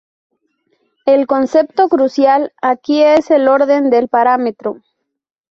El concepto crucial aquí es el orden del parámetro.